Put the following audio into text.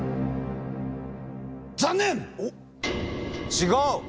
違う。